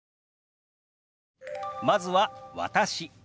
まずは「私」。